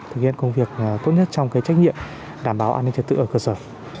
thực hiện công việc tốt nhất trong trách nhiệm đảm bảo an ninh trật tự ở cơ sở